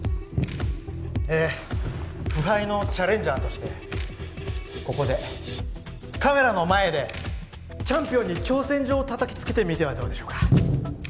えー不敗のチャレンジャーとしてここでカメラの前でチャンピオンに挑戦状をたたきつけてみてはどうでしょうか？